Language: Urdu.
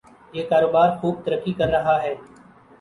یہ کاروبار خوب ترقی کر رہا ہے۔